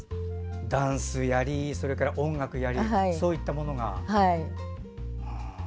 ダンスをやり、音楽をやりそういったものが。